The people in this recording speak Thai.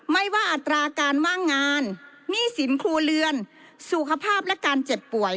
ไม่ว่าอัตราการว่างงานหนี้สินครัวเรือนสุขภาพและการเจ็บป่วย